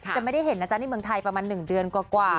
แต่ไม่ได้เห็นนะจ๊ะนี่เมืองไทยประมาณ๑เดือนกว่ากว่า